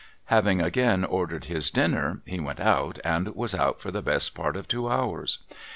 Having again ordered his dinner, he went out, and was out for the best part of two hours.